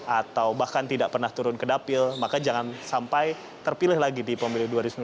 atau bahkan tidak pernah turun ke dapil maka jangan sampai terpilih lagi di pemilu dua ribu sembilan belas